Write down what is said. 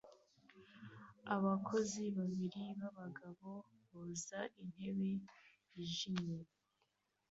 Abakozi babiri b'abagabo boza intebe yijimye